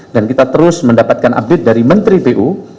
dan kita terus mendapatkan update dari menteri pu